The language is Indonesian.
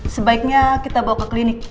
sebaiknya kita bawa ke klinik